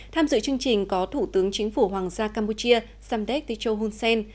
tham dự chương trình có thủ tướng chính phủ hoàng gia campuchia samdek ticho hun sen